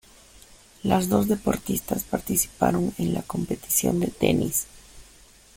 Las dos deportistas participaron en la competición de tenis.